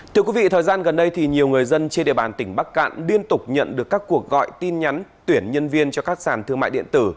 thưa quý vị thời gian gần đây thì nhiều người dân trên địa bàn tỉnh bắc cạn liên tục nhận được các cuộc gọi tin nhắn tuyển nhân viên cho các sàn thương mại điện tử